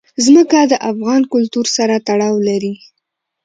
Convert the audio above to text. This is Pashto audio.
ځمکه د افغان کلتور سره تړاو لري.